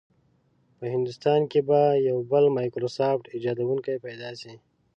په هندوستان کې به یو بل مایکروسافټ ایجادونکی پیدا شي.